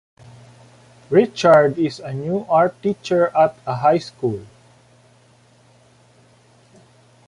Richard is a new art teacher at a high school.